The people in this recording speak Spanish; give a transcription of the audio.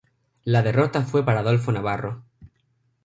La derrota fue para Adolfo Navarro.